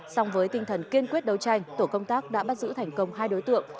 song với tinh thần kiên quyết đấu tranh tổ công tác đã bắt giữ thành công hai đối tượng